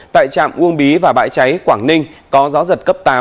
tại trạm uông bí và bãi cháy quảng ninh có gió giật cấp tám